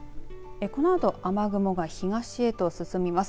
このあと雨雲が東へと進みます。